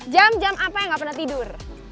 jam jam apa yang nggak pernah tidur